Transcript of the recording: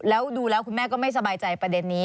แล้วดูแล้วคุณแม่ก็ไม่สบายใจประเด็นนี้